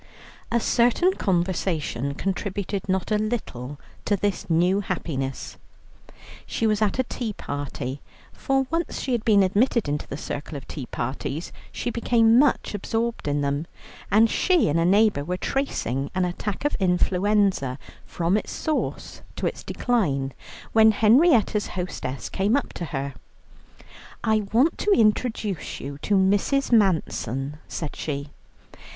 A certain conversation contributed not a little to this new happiness. She was at a tea party, for once she had been admitted into the circle of tea parties, she became much absorbed in them, and she and a neighbour were tracing an attack of influenza from its source to its decline, when Henrietta's hostess came up to her. "I want to introduce you to Mrs. Manson," said she.